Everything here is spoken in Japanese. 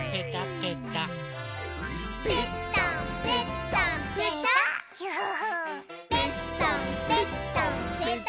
「ぺったんぺったんぺた」ぺた。